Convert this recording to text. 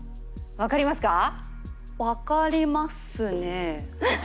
わかりますか？